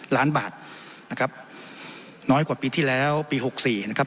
ล้านบาทนะครับน้อยกว่าปีที่แล้วปี๖๔นะครับ